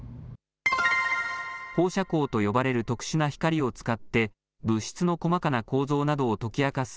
放射光と呼ばれる特殊な光を使って、物質の細かな構造などを解き明かす